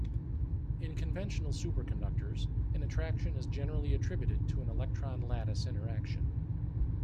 In conventional superconductors, an attraction is generally attributed to an electron-lattice interaction.